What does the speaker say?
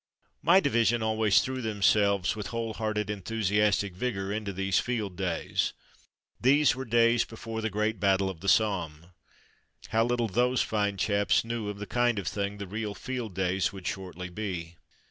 My division always threw themselves with whole hearted enthusiastic vigour into these field days. These were days before the great battle of the Somme. How little those fine chaps knew of the kind of thing the real field days would shortly be